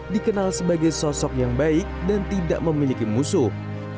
dikenal sebagai sosok yang baik dan tidak memiliki musuh